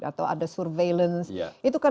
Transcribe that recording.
atau ada surveillance itu kan